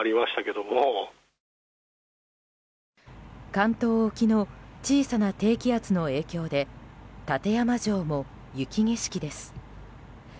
関東沖の小さな低気圧の影響で館山城も雪景色です。